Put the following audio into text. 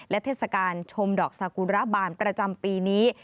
และเทศกาลชมดอกสากุระบาลประจำปีนี้